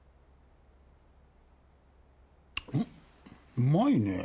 うまいねぇ。